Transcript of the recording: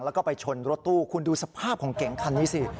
แล้วก็ไปชนรถตู้คุณดูสภาพของเก๋งคันนี้สิ